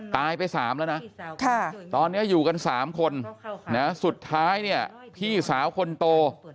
ตายไป๓แล้วนะตอนนี้อยู่กัน๓คนสุดท้ายเนี่ยพี่สาวคนโต